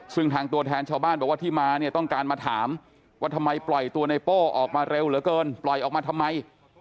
ซึ่งทางตัวแทนชาวบ้านบอกว่าที่มาเนี่ยต้องการมาถามว่าทำไมปล่อยตัวในโป้ออกมาเร็วเหลือเกินปล่อยออกมาทำไม